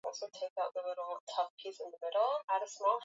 Kusikia kwa mtoto siyo kupika fimbo